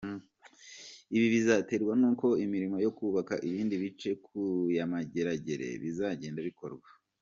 Ibi bizaterwa n’uko imirimo yo kubaka ibindi bice kuya Mageragere bizagenda bikorwa.